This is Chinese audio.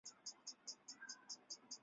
群马藤冈站八高线的铁路车站。